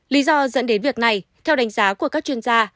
lý do dẫn đến việc này theo đánh giá của các chuyên gia